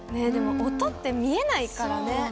でも音って見えないからね。